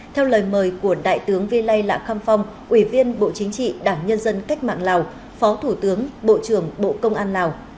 theo lời mời của đại tướng vi lây lạ kham phong ủy viên bộ chính trị đảng nhân dân cách mạng lào phó thủ tướng bộ trưởng bộ công an lào